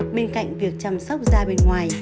bên cạnh việc chăm sóc da bên ngoài